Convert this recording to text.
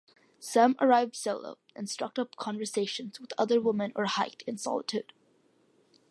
Some arrived solo and struck up conversations with other women or hiked in solitude.